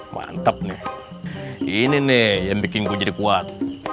mantep nih ini nih yang bikin gue jadi kuat